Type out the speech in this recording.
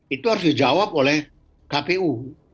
itu harus dijawab oleh kpu